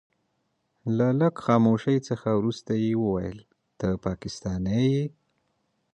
له لږ خاموشۍ څخه وروسته يې وويل ته پاکستانی يې.